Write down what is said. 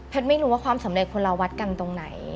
ไม่รู้ว่าความสำเร็จคนเราวัดกันตรงไหน